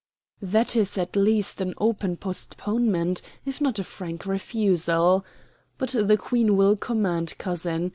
"That is at least an open postponement, if not a frank refusal. But the Queen will command, cousin.